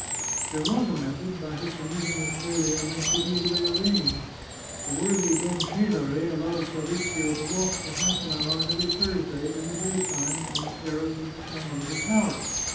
There was a method by which a meeting with Clelia might be easily arranged. The worthy Don Cesare allowed Fabrizio to walk for half an hour every Thursday, in the daytime, on the terrace of the Farnese Tower.